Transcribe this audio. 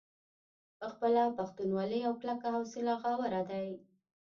پۀ خپله پښتونولۍ او کلکه حوصله غاوره دے ۔